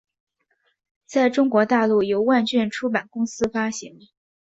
在中国大陆由万卷出版公司发行。